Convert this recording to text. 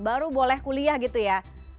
baru boleh kuliah gitu ya